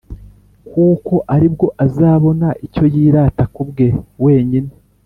kuko ari bwo azabona icyo yirata ku bwe wenyine